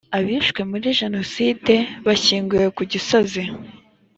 abishwe muri jenoside bashyinguye kugisozi.